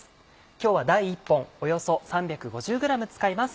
今日は大１本およそ３５０ｇ使います。